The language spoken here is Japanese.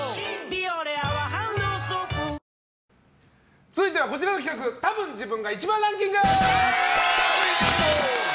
ビオレ泡ハンドソープ」続いては、こちらの企画たぶん自分が１番ランキング。